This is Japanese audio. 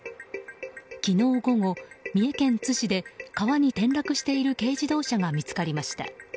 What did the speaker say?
昨日午後、三重県津市で川に転落している軽自動車が見つかりました。